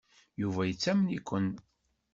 Yuba yettamen-iken.